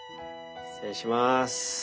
失礼します。